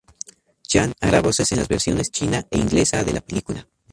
Chan hará voces en las versiones china e inglesa de la película.